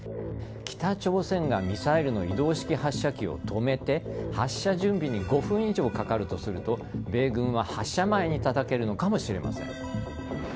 北朝鮮がミサイルの移動式発射機を止めて発射準備に５分以上かかるとすると米軍は発射前にたたけるのかもしれません。